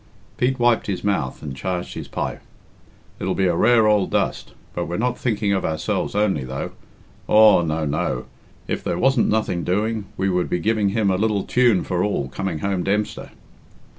Pete wiped his mouth and charged his pipe. "It'll be a rare ould dust, but we're not thinking of ourselves only, though. Aw, no, no. If there wasn't nothing doing we would be giving him a little tune for all, coming home Dempster."